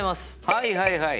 はいはいはい！